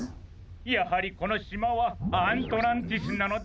やはりこのしまはアントランティスなのだ！